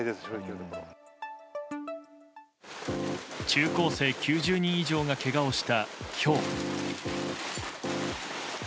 中高生９０人以上がけがをしたひょう。